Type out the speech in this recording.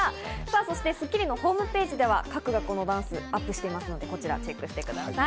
そして『スッキリ』のホームページでは各学校のダンスをアップしていますのでぜひチェックしてください。